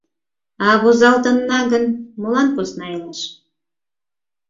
А возалтынна гын, молан посна илаш.